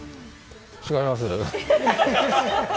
違います。